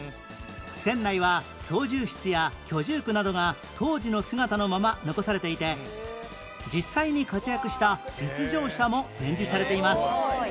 船内は操縦室や居住区などが当時の姿のまま残されていて実際に活躍した雪上車も展示されています